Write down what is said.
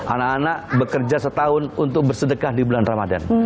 anak anak bekerja setahun untuk bersedekah di bulan ramadan